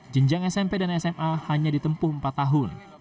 jenjang smp dan sma hanya ditempuh empat tahun